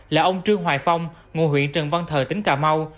là ông trương hoài phong ngôi huyện trần văn thờ tỉnh cà mau